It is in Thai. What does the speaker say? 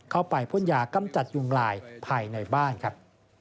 พ่นยากำจัดยุงลายภายในบ้านครับ